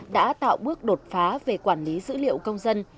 đã tạo bước đột phá về quản lý dữ liệu công dân